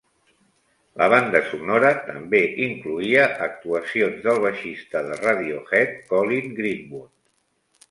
La banda sonora també incloïa actuacions del baixista de Radiohead Colin Greenwood.